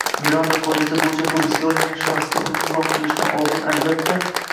Miranda qoidasi bo‘yicha hibsga olingan shaxsga uni so‘roq qilishdan oldin albatta: